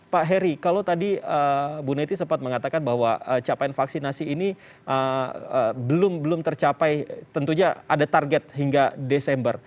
pak heri kalau tadi bu neti sempat mengatakan bahwa capaian vaksinasi ini belum belum tercapai tentunya ada target hingga desember